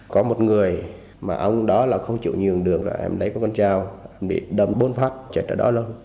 có một người mà ông đó là không chịu nhường đường là em lấy con dao em đi đâm bốn phát chạy tới đó luôn